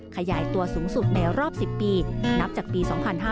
ขยายตัวสูงสุดในรอบ๑๐ปีนับจากปี๒๕๕๙